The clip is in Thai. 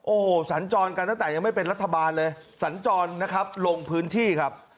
โอ้โหสัญจรกันตั้งแต่ยังไม่เป็นรัฐบาลเลยสัญจรนะครับลงพื้นที่ครับ